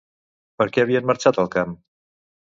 Per què havien marxat al camp?